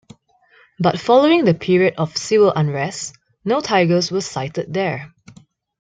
But following the period of civil unrest, no tigers were sighted there.